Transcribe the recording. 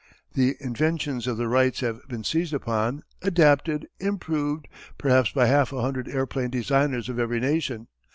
The inventions of the Wrights have been seized upon, adapted, improved perhaps by half a hundred airplane designers of every nation.